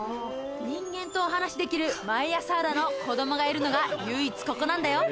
人間とお話しできるマイアサウラの子供がいるのが唯一ここなんだよ。